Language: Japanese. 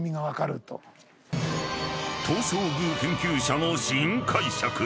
［東照宮研究者の新解釈］